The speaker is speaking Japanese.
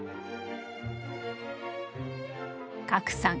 加来さん